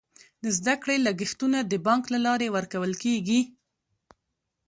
د زده کړې لګښتونه د بانک له لارې ورکول کیږي.